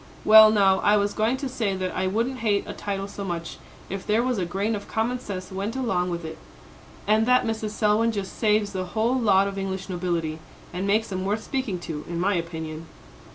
Well, now, I was going to say that I wouldn't hate a title so much, if there was a grain of common sense went along with it. And that Mrs. Selwyn just saves the whole lot of English nobility, and makes 'em worth speaking to, in my opinion."